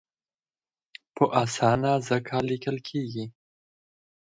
په اسانه ځکه لیکل کېږي.